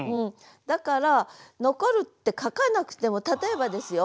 だから「残る」って書かなくても例えばですよ